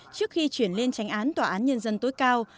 trước khi chuyển lên tránh án tòa án nhân dân tối cao